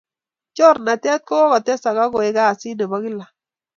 chornatet ko kokotesak ak koek kasit nebo kila